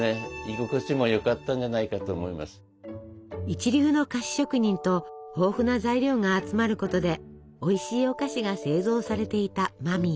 一流の菓子職人と豊富な材料が集まることでおいしいお菓子が製造されていた間宮。